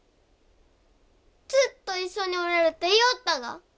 ずっと一緒におれるって言よおったが？